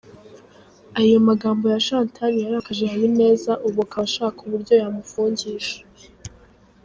Ayo magambo ya Chantal yarakaje Habineza ubu akaba ashaka uburyo yamufungisha !